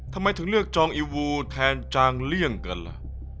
ทำไมถึงเลือกจองอีวูแทนจางเลี่ยงกันล่ะ